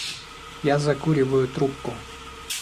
Я закуриваю трубку.